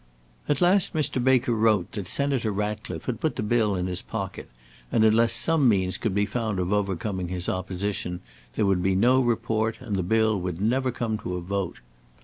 "At last Mr. Baker wrote that Senator Ratcliffe had put the bill in his pocket, and unless some means could be found of overcoming his opposition, there would be no report, and the bill would never come to a vote.